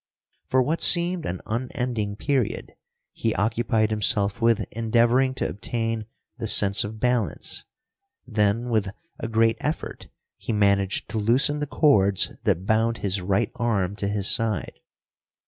For what seemed an unending period he occupied himself with endeavoring to obtain the sense of balance. Then, with a great effort, he managed to loosen the cords that bound his right arm to his side.